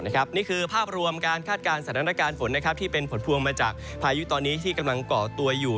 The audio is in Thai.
นี่คือภาพรวมการคาดการณ์สถานการณ์ฝนที่เป็นผลพวงมาจากพายุตอนนี้ที่กำลังก่อตัวอยู่